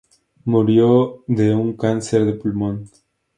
Murió de un cáncer de pulmón.